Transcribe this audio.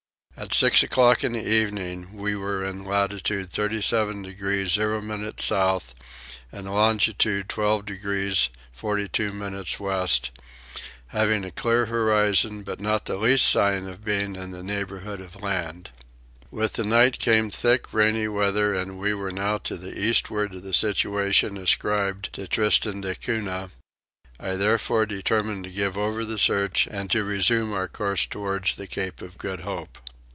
At six o'clock in the evening we were in latitude 37 degrees 0 minutes south and longitude 12 degrees 42 minutes west, having a clear horizon but not the least sign of being in the neighbourhood of land. With the night came thick rainy weather and we were now to the eastward of the situation ascribed to Tristan da Cunha; I therefore determined to give over the search and to resume our course towards the Cape of Good Hope.